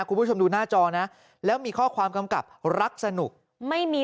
คุณผู้ชมดูหน้าจอนะแล้วมีข้อความกำกับรักสนุกไม่มี